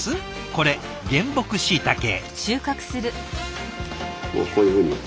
これ原木しいたけ。